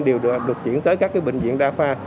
đều được chuyển tới các bệnh viện đa khoa